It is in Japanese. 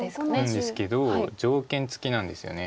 なんですけど条件付きなんですよね。